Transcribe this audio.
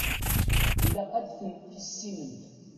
Ilaq ad ten-tissinemt.